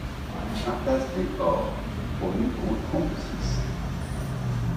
Impasse des Hors au numéro trente-six